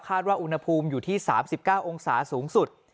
ว่าอุณหภูมิอยู่ที่๓๙องศาสูงสุด